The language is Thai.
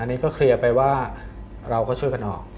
อันนี้ก็เคลียร์ไปว่าเราก็ช่วยกันออก